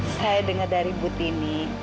saya dengar dari butini